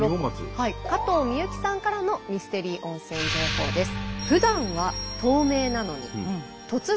加藤美由紀さんからのミステリー温泉情報です。